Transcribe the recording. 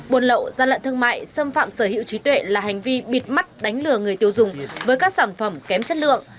buôn lậu gian lận thương mại xâm phạm sở hữu trí tuệ là hành vi bịt mắt đánh lừa người tiêu dùng với các sản phẩm kém chất lượng